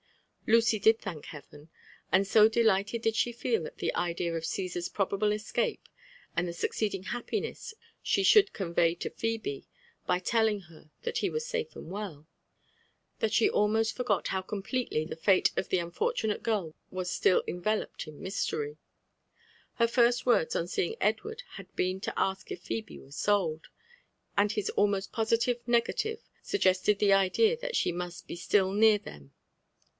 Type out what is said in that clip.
Luey did thank Heaven ; and so delighted did she feel at the idea of Ciesar'a probable escape, and the exceeding happiness she should con vey to Phebe by telling her that he was sate and well, that she almost IM JJFB AND ADVENTURES OF forgot how completely the fate of the unfortunate girl was still enye < loped in mystery. Her first words on seeing Edward had been to ask if Phebe were sold, and his almost positive negative suggested the idea that she must be still near them.